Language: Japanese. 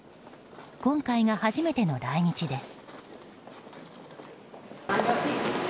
今回が初めての来日です。